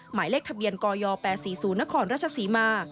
หมายเลขทะเบียนกย๘๔๐นครราชศรีมา